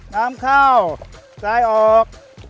นำเข้าใส่ออก